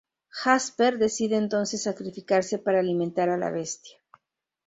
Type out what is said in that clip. Jasper decide entonces sacrificarse para alimentar a la bestia.